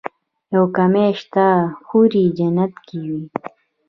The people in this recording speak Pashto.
يو کمی شته حورې جنت کې وي.